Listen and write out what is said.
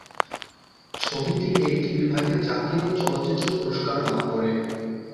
ছবিটি একটি বিভাগে জাতীয় চলচ্চিত্র পুরস্কার লাভ করে।